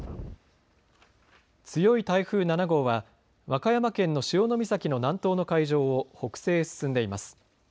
強い台風７号は和歌山県の潮岬の南東の海上を北西へ進んでいます。